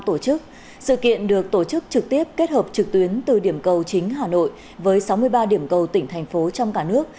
tổ chức sự kiện được tổ chức trực tiếp kết hợp trực tuyến từ điểm cầu chính hà nội với sáu mươi ba điểm cầu tỉnh thành phố trong cả nước